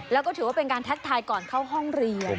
แล้วก็ถือว่าเป็นการทักทายก่อนเข้าห้องเรียน